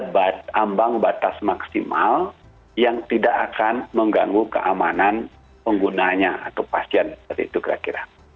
ada ambang batas maksimal yang tidak akan mengganggu keamanan penggunanya atau pasien seperti itu kira kira